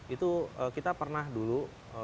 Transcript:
itu kita pernah dulu